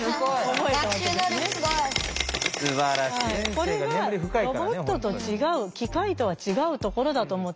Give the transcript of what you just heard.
これがロボットと違う機械とは違うところだと思ってます。